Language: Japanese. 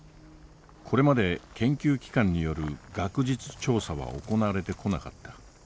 これまで研究機関による学術調査は行われてこなかった。